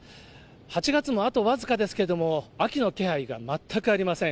８月もあと僅かですけれども、秋の気配が全くありません。